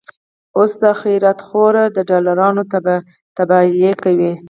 اوس دا خيرات خور، د ډالرونو تفالې کوي